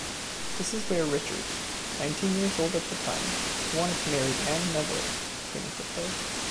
This is where Richard, nineteen years old at the time, who wanted to marry Anne Neville, came into play.